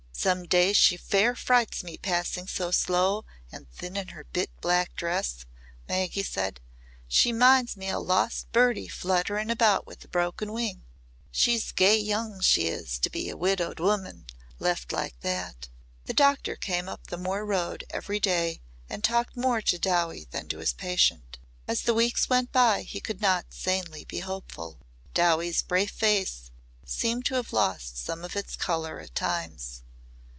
"Some days she fair frights me passing by so slow and thin in her bit black dress," Maggy said. "She minds me o' a lost birdie fluttering about wi' a broken wing. She's gey young she is, to be a widow woman left like that." The doctor came up the moor road every day and talked more to Dowie than to his patient. As the weeks went by he could not sanely be hopeful. Dowie's brave face seemed to have lost some of its colour at times.